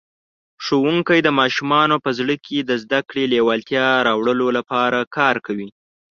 ښوونکی د ماشومانو په زړه کې د زده کړې لېوالتیا راوړلو لپاره کار کوي.